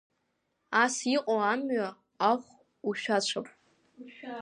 Ас иҟоу амҩа ахә ушәацәап!